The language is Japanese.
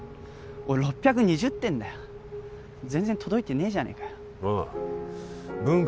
俺６２０点だよ全然届いてねえじゃねえかよああ文科